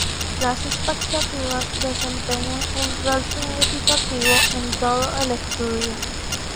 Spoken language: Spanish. Las expectativas desempeñan un rol significativo en todo el estudio.